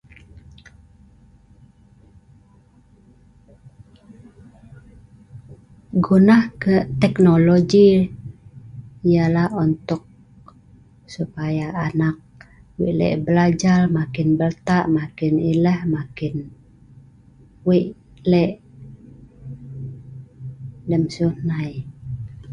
gonah teknologi yalah untuk supaya anak wei' lek blajal makin bel'ta', makin ileh, makin wei' lek lem siu hnai.